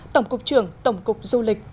tổng cục trưởng tổng cục du lịch